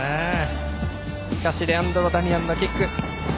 しかしレアンドロ・ダミアンのキック。